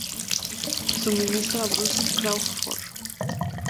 Su ministro es Bruce Crawford.